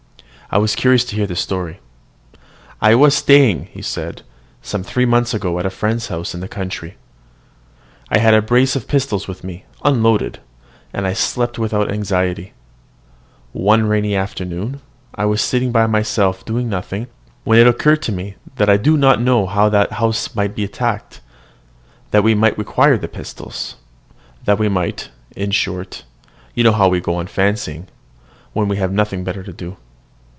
I was curious to hear the story. "I was staying," said he, "some three months ago, at a friend's house in the country. I had a brace of pistols with me, unloaded; and I slept without any anxiety. One rainy afternoon I was sitting by myself, doing nothing, when it occurred to me I do not know how that the house might be attacked, that we might require the pistols, that we might in short, you know how we go on fancying, when we have nothing better to do.